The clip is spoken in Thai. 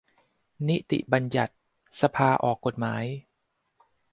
-นิติบัญญัติ : สภาออกกฎหมาย